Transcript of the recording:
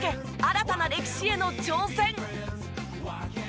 新たな歴史への挑戦！